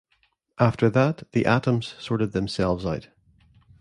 After that, the atoms sorted themselves out.